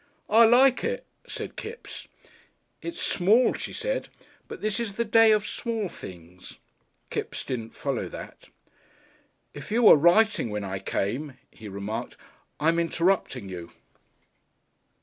"I like it," said Kipps. "It's small," she said, "but this is the day of small things." Kipps didn't follow that. "If you were writing when I came," he remarked, "I'm interrupting you."